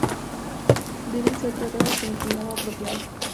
Deben ser tratados con el cuidado apropiado.